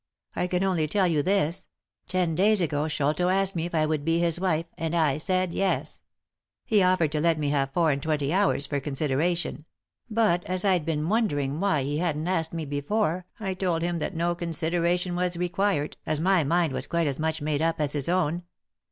I can only tell you this : ten days ago Sholto asked me if I would be his wife, and I said ' Yes.' He offered to let me have four and twenty hours for consideration ; but as I'd been wondering why he hadn't asked me before, I told him that no consideration was required, as my mind was quite as much made up as his own.